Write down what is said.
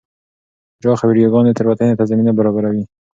پراخه ویډیوګانې تېروتنې ته زمینه برابروي.